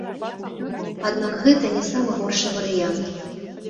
Аднак гэта не самы горшы варыянт.